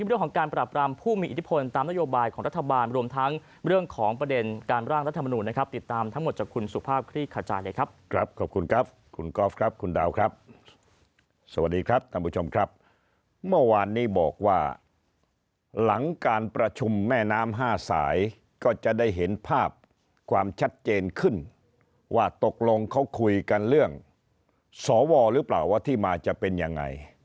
รวมทั้งเรื่องของประเด็นการร่างรัฐมนุนนะครับติดตามทั้งหมดจากคุณสุภาพคลิกขจายเลยครับครับขอบคุณครับคุณกอฟครับคุณดาวครับสวัสดีครับท่านผู้ชมครับเมื่อวันนี้บอกว่าหลังการประชุมแม่น้ำ๕สายก็จะได้เห็นภาพความชัดเจนขึ้นว่าตกลงเขาคุยกันเรื่องสวรรค์หรือเปล่าว่าที่มาจะเป็นยัง